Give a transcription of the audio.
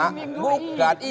maksimum minggu ini